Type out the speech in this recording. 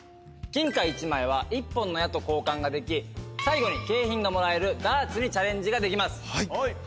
金貨１枚は１本の矢と交換ができ最後に景品がもらえるダーツにチャレンジができます。